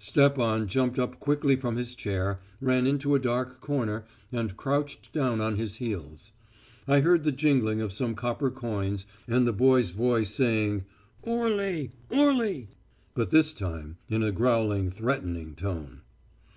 _' "Stepan jumped up quickly from his chair, ran into a dark corner, and crouched down on his heels. I heard the jingling of some copper coins and the boy's voice saying oorli, oorli, but this time in a growling, threatening tone.